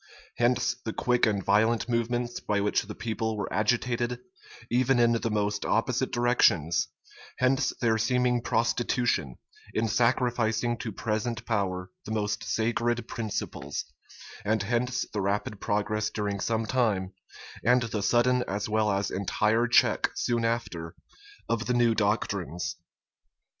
Hence the quick and violent movements by which the people were agitated, even in the most opposite directions: hence their seeming prostitution, in sacrificing to present power the most sacred principles: and hence the rapid progress during some time, and the sudden as well as entire check soon after, of the new doctrines.